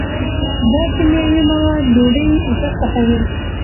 دا کیمیاوي مواد ډوډۍ ژر پخوي.